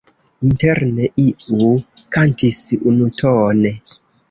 Interne iu kantis unutone.